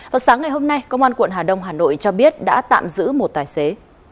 vào sáng ngày hôm nay công an quận hà đông hà nội cho biết đã tạm giữ một tài xế